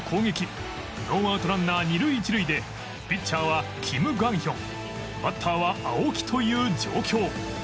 ノーアウトランナー二塁一塁でピッチャーはキム・グァンヒョンバッターは青木という状況